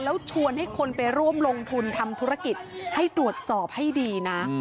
แล้วชวนให้คนไปร่วมลงทุนทำธุรกิจให้ตรวจสอบให้ดีนะ